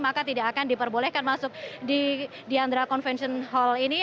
maka tidak akan diperbolehkan masuk di diandra convention hall ini